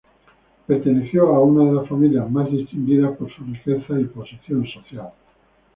Perteneció a una de las familias más distinguida por sus riquezas y posición social.